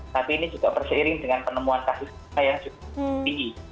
tapi ini juga berseiring dengan penemuan kasus kita yang cukup tinggi